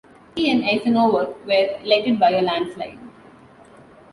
He and Eisenhower were elected by a landslide.